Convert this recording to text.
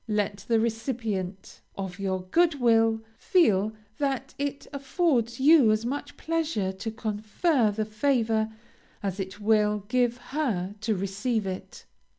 Let the recipient of your good will feel that it affords you as much pleasure to confer the favor as it will give her to receive it.